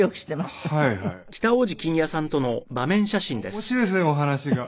面白いですねお話が。